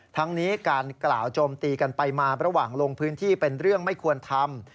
ทั้งนี้การกล่าวโจมตีกันไปมาระหว่างลงพื้นที่เป็นเรื่องไม่ควรทำ